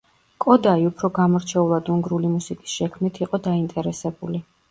კოდაი უფრო გამორჩეულად უნგრული მუსიკის შექმნით იყო დაინტერესებული.